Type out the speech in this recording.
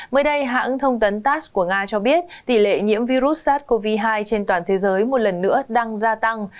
mới đây hãng thông tấn tass của nga cho biết tỷ lệ nhiễm virus sars cov hai trên toàn thế giới một lần nữa đang gia tăng